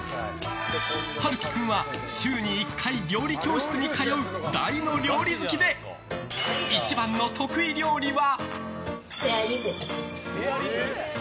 晴紀君は週に１回料理教室に通う大の料理好きで一番の得意料理は。